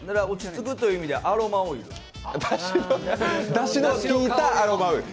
落ち着くという意味で、アロマオイル。